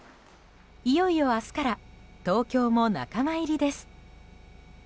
いよいよ明日から東京も仲間入りです。